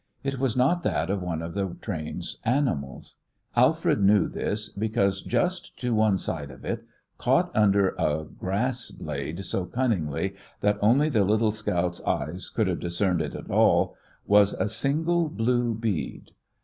It was not that of one of the train's animals. Alfred knew this, because just to one side of it, caught under a grass blade so cunningly that only the little scout's eyes could have discerned it at all, was a single blue bead.